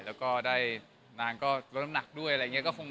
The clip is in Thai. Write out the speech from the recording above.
แล้วก็ได้นางก็ร่วมนักด้วยอะไรอย่างเงี้ย